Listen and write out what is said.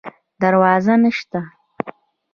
دروازه نشته